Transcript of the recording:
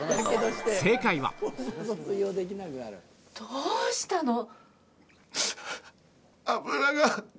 どうしたの？